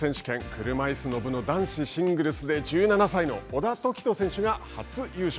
車いすの部の男子シングルス決勝で１７歳の小田凱人選手が初優勝。